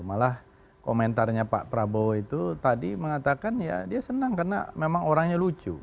malah komentarnya pak prabowo itu tadi mengatakan ya dia senang karena memang orangnya lucu